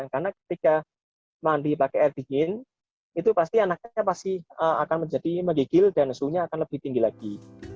karena ketika mandi pakai air dingin itu pasti anaknya akan menjadi megigil dan suhunya akan lebih tinggi lagi